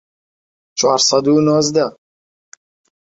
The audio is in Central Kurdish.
چوار سەد و نۆزدە